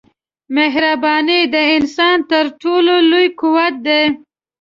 مهرباني د انسان تر ټولو لوی قوت دی.